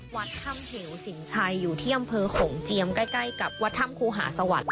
วัดถ้ำเหวสินชัยอยู่ที่อำเภอโขงเจียมใกล้กับวัดถ้ำครูหาสวรรค์